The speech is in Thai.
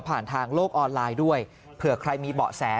ทางโลกออนไลน์ด้วยเผื่อใครมีเบาะแส